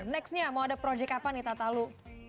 nextnya mau ada project apa nih tatalu